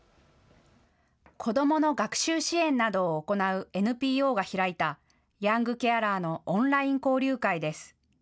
子どもの学習支援などを行うＮＰＯが開いたヤングケアラーのオンライン交流会です。